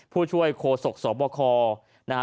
ผู้ช่วยโคศกสบคนะฮะ